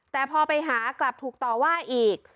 แต่พอไปหากลับถูกต่อว่าอีก